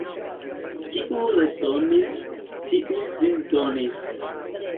Kiu resonis, tiu sin donis.